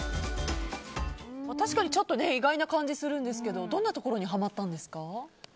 確かにちょっと意外な感じがするんですけどどんなところにハマったんですか。